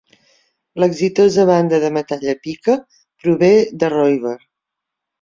L'exitosa banda de metall Epica prové de Reuver.